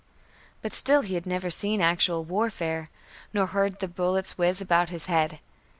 But still he had never seen actual warfare, nor heard the bullets whizz about his head.